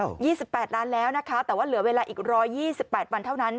โอ้ย๒๘ล้านแล้วนะคะแต่ว่าเหลือเวลาอีก๑๒๘วันเท่านั้น